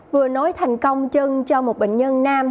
vừa nối thành công chân cho một bệnh nhân nam